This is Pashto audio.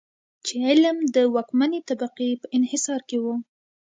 چې علم د واکمنې طبقې په انحصار کې و.